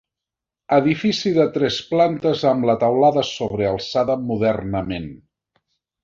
Edifici de tres plantes amb la teulada sobrealçada modernament.